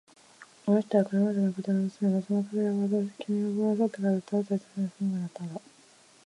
この人は金持の家庭の娘だ。その家庭は、君がここから去ってからずっとあとになって当地に住むことになったのだ。